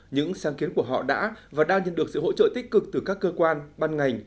những sáng kiến của họ đã và đang nhận được sự hỗ trợ tích cực từ các cơ quan ban ngành